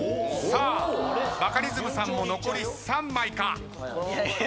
さあバカリズムさんも残り３枚か。